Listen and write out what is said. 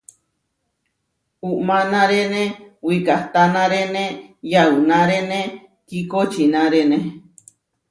Umánarene wikahtánarene yaunárene kikočinaréne.